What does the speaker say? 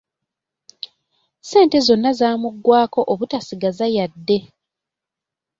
Ssente zonna zaamugwako obutasigaza yadde!